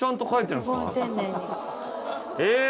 え？